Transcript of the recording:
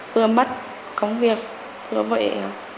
vừa mất công việc vừa vệ